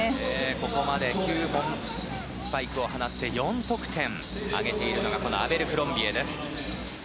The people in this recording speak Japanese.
ここまで９本スパイクを放ち４得点挙げているのがアベルクロンビエです。